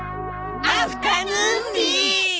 アフタヌーンティー！